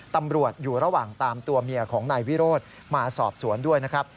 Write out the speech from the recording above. ตำรวจอยู่ระหว่างตามตัวเมียของนายวิโรธมาสอบสวนด้วยนะครับ